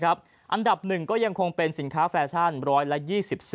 อันดับ๑ก็ยังคงเป็นสินค้าแฟชั่น๑๒๔